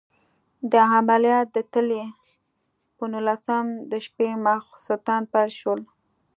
دا عملیات د تلې په نولسم د شپې ماخوستن پیل شول.